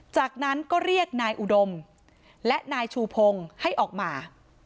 จากนั้นก็เรียกนายอุดมและนายชูพงศ์ให้ออกมา